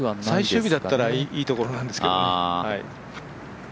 最終日だったらいいところなんですけどね。